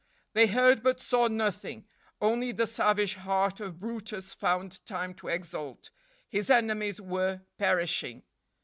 They heard but saw nothing, only the savage heart of brutus found time to exult his enemies were perishing.